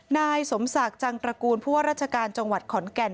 นายสมศักดิ์จังตระกูลผู้ว่าราชการจังหวัดขอนแก่น